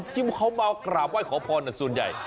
ที่เขามากราบไหว้ขอพรส่วนใหญ่